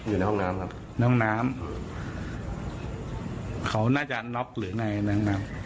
อยู่ในห้องน้ำครับในห้องน้ำเขาน่าจะน็อกหรือในน้องน้ำ